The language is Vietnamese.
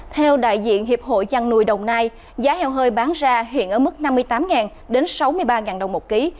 theo đại diện hiệp hội chăn nuôi đồng nai giá heo hơi bán ra hiện ở mức năm mươi tám đến sáu mươi ba đồng một ký